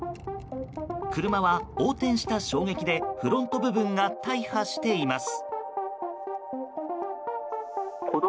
車は横転した衝撃でフロントガラス部分が大破しています。